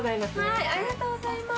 ありがとうございます。